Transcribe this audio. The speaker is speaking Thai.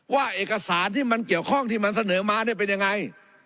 ว่าเอกสารที่มันเกี่ยวข้องที่มันเสนอมาเนี่ยเป็นยังไง